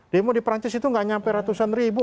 demo di prancis itu gak nyampe ratusan ribu